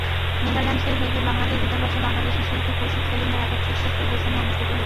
নেদারল্যান্ডসের হেগে বাংলাদেশ দূতাবাসে বাংলাদেশি শিল্পী খুরশীদ সেলিমের একক চিত্র প্রদর্শনী অনুষ্ঠিত হয়েছে।